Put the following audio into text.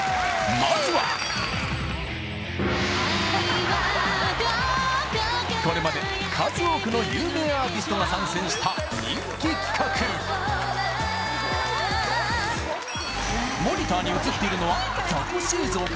まずはこれまで数多くの有名アーティストが参戦した人気企画モニターに映っているのはザコシ映像か？